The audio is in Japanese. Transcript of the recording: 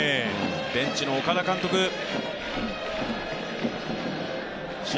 ベンチの岡田監督試合